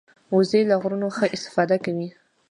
وزې له غرونو ښه استفاده کوي